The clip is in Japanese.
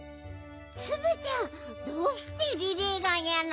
ツムちゃんどうしてリレーがいやなの？